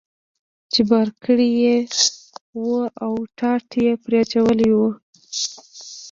چې بار کړی یې و او ټاټ یې پرې اچولی و.